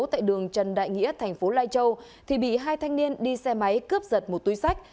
tại đường trần đại nghĩa thành phố lai châu thì bị hai thanh niên đi xe máy cướp giật một túi sách